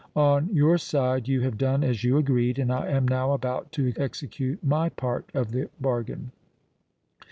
On your side you have done as you agreed and I am now about to execute my part of the bargain."